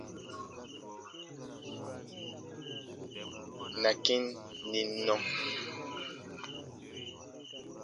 Na kĩ n nim nɔ.